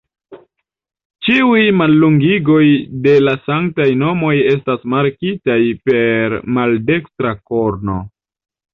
Ĉiuj mallongigoj de la Sanktaj Nomoj estas markitaj per maldekstra korno.